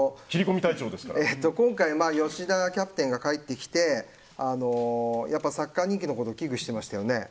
今回、吉田キャプテンが帰ってきてやっぱりサッカー人気のことを危惧してましたよね。